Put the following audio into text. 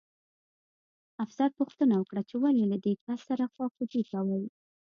افسر پوښتنه وکړه چې ولې له دې کس سره خواخوږي کوئ